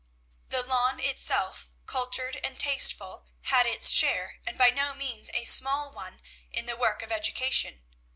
The lawn itself, cultured and tasteful, had its share, and by no means a small one, in the work of education.